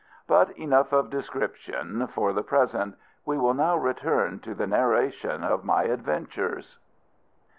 But enough of description, for the present. We will now return to the narration of my adventures.